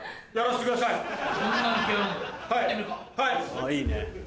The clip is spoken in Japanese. あっいいね。